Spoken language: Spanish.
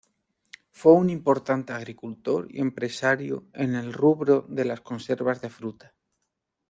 Fue un importante agricultor y empresario en el rubro de las conservas de fruta.